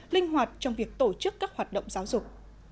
linh hoạt trong việc tổ chức các hoạt động giáo dục